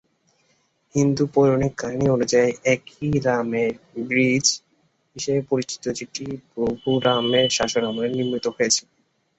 হিন্দু পৌরাণিক কাহিনী অনুযায়ী, এটি রামের ব্রিজ হিসাবে পরিচিত, যেটি প্রভু রামের শাসনামলে নির্মিত হয়েছিল।